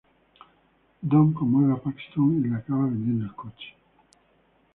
Don conmueve a Paxton y le acaba vendiendo el coche.